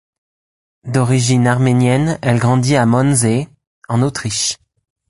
D'origine arménienne, elle grandit à Mondsee, en Autriche.